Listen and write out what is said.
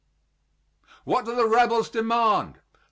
What do the rebels demand?